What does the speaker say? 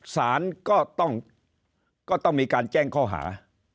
สารก็ต้องมีการแจ้งข้อหา